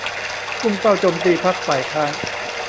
พุ่งเป้าโจมตีพรรคฝ่ายค้าน